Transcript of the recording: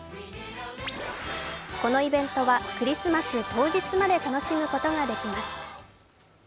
このイベントはクリスマス当日まで楽しむことができます。